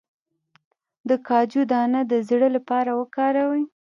د کاجو دانه د زړه لپاره وکاروئ